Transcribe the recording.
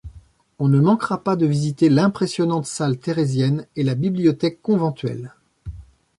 On ne manquera pas de visiter l'impressionnante salle thérèsienne et la bibliothèque conventuelle.